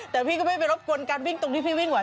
แต่พี่ก็ไม่ไปรบกวนการวิ่งตรงที่พี่วิ่งไห